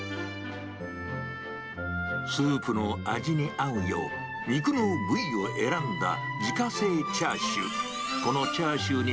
スープの味に合うよう、肉の部位を選んだ自家製チャーシュー。